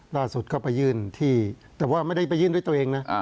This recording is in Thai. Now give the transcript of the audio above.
ล่าสุดก็ไปยื่นที่แต่ว่าไม่ได้ไปยื่นด้วยตัวเองนะ